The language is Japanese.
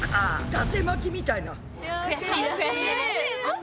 だて巻きみたいな。